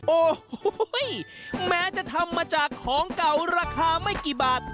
โอ้โหแม้จะทำมาจากของเก่าราคาไม่กี่บาท